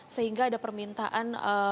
sehingga ada permintaan